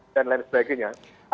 dan lain sebagainya